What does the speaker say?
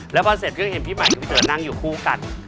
แล้วพอเสร็จก็ยังเห็นพี่ใหม่พี่เต๋อนั่งอยู่คู่กัน